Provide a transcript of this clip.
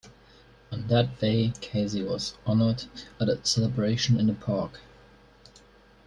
On that day, Casey was honored at a celebration in the park.